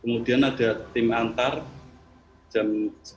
kemudian ada tim antar jam sepuluh